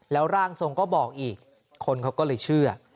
แล้วร่างทรงก็บอกอีกคนเขาก็เลยเชื่อ